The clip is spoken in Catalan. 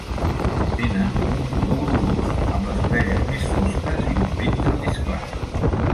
Tenen un color grogós, amb les orelles més fosques i un ventre més clar.